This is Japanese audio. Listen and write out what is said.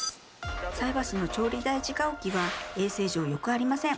菜箸の調理台じか置きは衛生上よくありません。